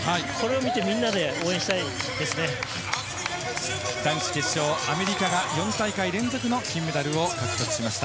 それを見てみんなで応援したいで男子決勝、アメリカが４大会連続の金メダルを獲得しました。